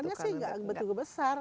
anggarannya sih gak betul betul besar